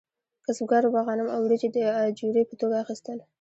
کسبګرو به غنم او وریجې د اجورې په توګه اخیستل.